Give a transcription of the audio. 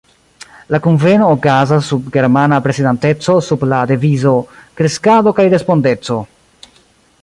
La kunveno okazas sub germana prezidanteco sub la devizo „kreskado kaj respondeco“.